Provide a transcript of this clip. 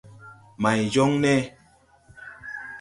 May jɔŋ ne?